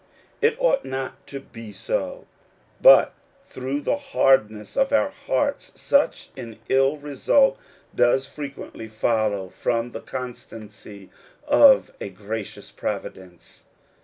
It ought not to be so; but through the hardness of our hearts such an ill result does frequently follow from the constancy of a gracious providence.